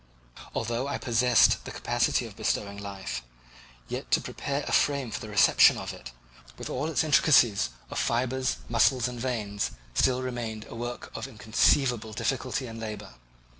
Although I possessed the capacity of bestowing animation, yet to prepare a frame for the reception of it, with all its intricacies of fibres, muscles, and veins, still remained a work of inconceivable difficulty and labour.